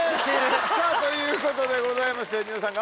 さぁということでございましてニノさん